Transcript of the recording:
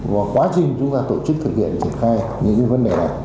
và quá trình chúng ta tổ chức thực hiện triển khai như những vấn đề này